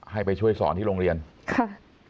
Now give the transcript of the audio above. ให้ไปช่วยสอนที่โรงเรียนค่ะ